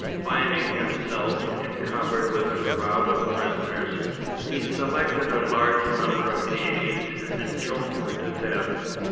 Finding himself encumbered with a crowd of prisoners, he selected a large number of the aged and choked them to death.